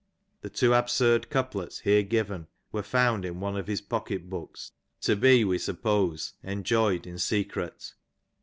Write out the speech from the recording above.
The two absurd couplets here given were found in one of his pocket books, to be, we suppose, enjoyed in secret.